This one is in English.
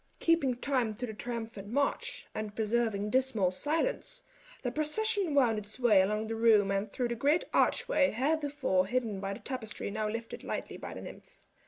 Keeping time to the triumphant march, and preserving dismal silence, the procession wound its way along the room and through a great archway heretofore hidden by the tapestry now lifted lightly by the nymphs.